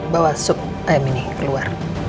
bawa sup ayam ini keluar